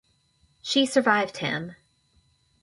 She survived him.